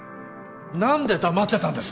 何で黙ってたんです？